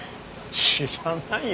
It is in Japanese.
知らないよ。